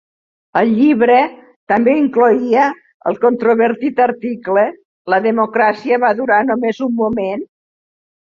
El llibre també incloïa el controvertit article "La democràcia va durar només un moment?"